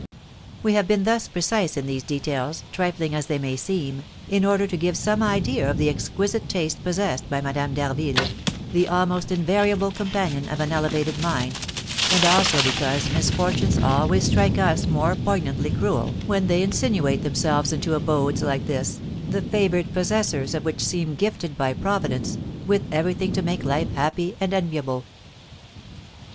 We have been thus precise in these details, trifling as they may seem, in order to give some idea of the exquisite taste possessed by Madame d'Harville (the almost invariable companion of an elevated mind), and also because misfortunes always strike us as more poignantly cruel when they insinuate themselves into abodes like this, the favoured possessors of which seem gifted by Providence with everything to make life happy and enviable.